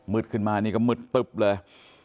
มืดมาอันนี้มืดปุ๊บเลย